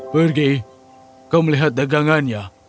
pergi kau melihat dagangannya